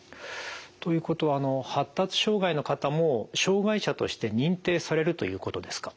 ということは発達障害の方も障害者として認定されるということですか？